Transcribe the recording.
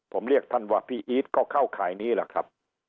ผมเรียกท่านว่าพี่อีทก็เข้าข่ายนี้แหละครับ